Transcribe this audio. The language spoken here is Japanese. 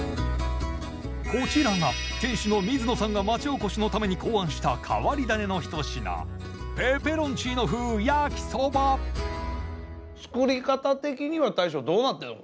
こちらが店主の水野さんが町おこしのために考案した変わり種のひと品作り方的には大将どうなってるの？